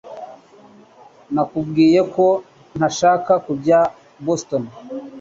Nakubwiye ko ntashaka kujya i Boston